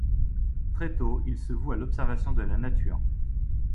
Très tôt, il se voue à l'observation de la nature.